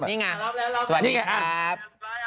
นี่ไงสวัสดีครับ